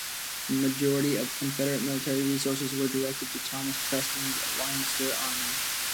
The majority of Confederate military resources were directed to Thomas Preston's Leinster Army.